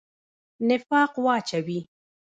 نفاق واچوي.